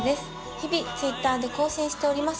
日々Ｔｗｉｔｔｅｒで更新しております